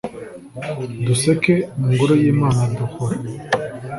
duseka, mu ngoro y'imana duhora